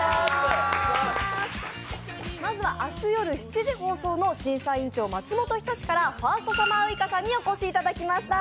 まずは明日夜７時放送の「審査員長・松本人志」からファーストサマーウイカさんにお越しいただきました。